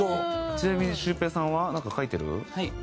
ちなみにシュウペイさんはなんか書いてる？